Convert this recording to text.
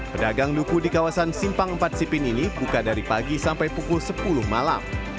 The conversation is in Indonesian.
pedagang duku di kawasan simpang empat sipin ini buka dari pagi sampai pukul sepuluh malam